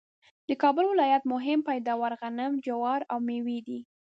د کابل ولایت مهم پیداوار غنم ،جوار ، او مېوې دي